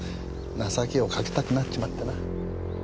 情けをかけたくなっちまってな。